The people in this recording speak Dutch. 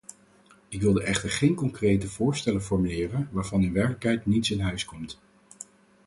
Ik wilde echter geen concrete voorstellen formuleren waarvan in werkelijkheid niets in huis komt.